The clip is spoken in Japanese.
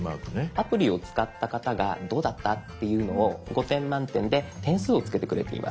アプリ使った方がどうだったっていうのを５点満点で点数をつけてくれています。